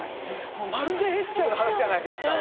もうまるでエッちゃんの話じゃないですか！